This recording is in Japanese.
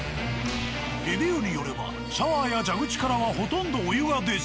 レビューによればシャワーや蛇口からはほとんどお湯が出ず。